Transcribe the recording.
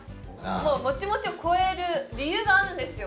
もうモチモチを超える理由があるんですよ